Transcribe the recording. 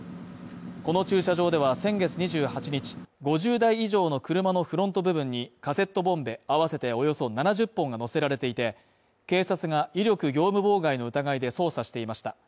この駐車場では先月２８日、５０台以上の車のフロント部分にカセットボンベあわせておよそ７０本が載せられていて、警察が威力業務妨害の疑いで捜査していました。